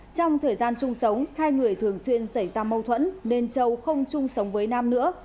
trong thời gian chung sống hai người thường xuyên xảy ra mâu thuẫn nên châu không chung sống với nam nữa